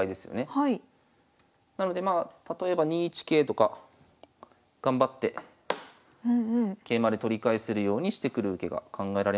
なのでまあ例えば２一桂とか頑張って桂馬で取り返せるようにしてくる受けが考えられますが。